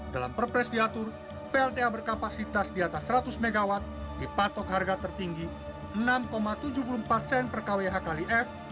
dalam perpres diatur plta berkapasitas di atas seratus mw dipatok harga tertinggi enam tujuh puluh empat sen per kwh kalif